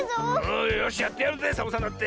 よしやってやるぜサボさんだって。